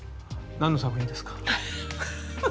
何の作品ですか？